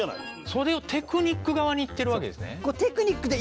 それをテクニック側にいってるわけですね。